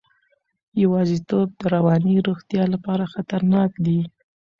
یوازیتوب د رواني روغتیا لپاره خطرناک دی.